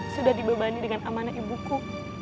sudah dibebani dengan amanah ibuku